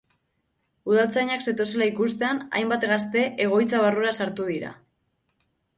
Udaltzainak zetozela ikustean, hainbat gazte egoitza barrura sartu dira.